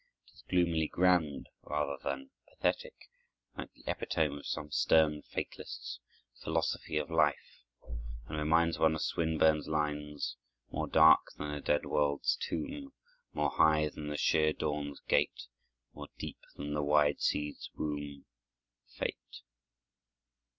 It is gloomily grand rather than pathetic, like the epitome of some stern fatalist's philosophy of life, and reminds one of Swinburne's lines: "More dark than a dead world's tomb, More high than the sheer dawn's gate, More deep than the wide sea's womb, Fate."